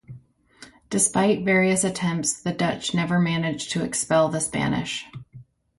Despite various attempts the Dutch never managed to expel the Spanish.